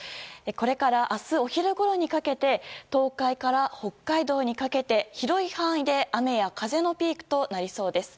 これから明日、お昼ごろにかけて東海から北海道にかけて広い範囲で雨や風のピークとなりそうです。